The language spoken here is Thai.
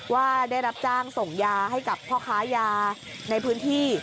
ว่าได้รับจ้างส่งยาให้กับพ่อค้ายาในพื้นที่